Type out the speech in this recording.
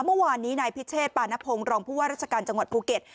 เมื่อวานนี้นายพิเชศปานัพงษ์รองพุภาครรมราชกรจังหวัดภูเก็ต